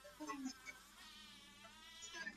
walikaa bila kutambuliwa kwa muda mrefu